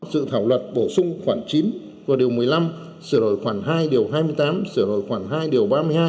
dự thảo luật bổ sung khoản chín và điều một mươi năm sửa đổi khoản hai điều hai mươi tám sửa đổi khoản hai điều ba mươi hai